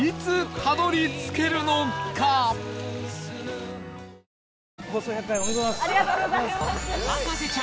ありがとうございます。